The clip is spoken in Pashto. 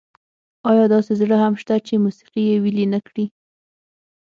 ایا داسې زړه هم شته چې موسيقي یې ویلي نه کړي؟